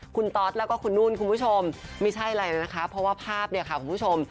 คุณตอสแล้วก็คุณนุ่นคุณผู้ชมไม่ใช่อะไรเลยนะคะเพราะว่าภาพเนี่ยค่ะคุณผู้ชม